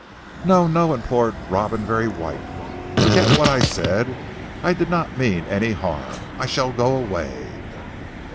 "No! No!" implored Robin very white, "forget what I said. I did not mean any harm. I shall go away."